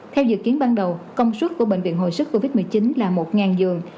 theo dự kiến ban đầu công suất của bệnh viện hồi sức covid một mươi chín là một giường